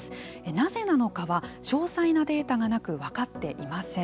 なぜなのかは詳細なデータがなく分かっていません。